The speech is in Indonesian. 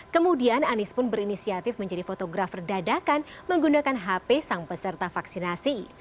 kemudian anies pun berinisiatif menjadi fotografer dadakan menggunakan hp sang peserta vaksinasi